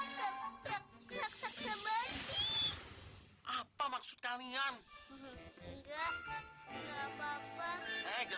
tetapi ada syaratnya